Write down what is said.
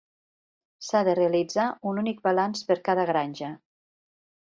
S'ha de realitzar un únic balanç per cada granja.